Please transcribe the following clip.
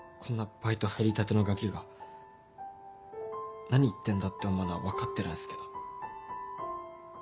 バイト入りたてのガキが何言ってんだって思うのは分かってるんすけど。